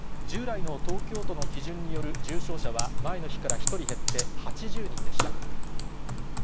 従来の東京都の基準による重症者は前の日から１人減って８０人でした。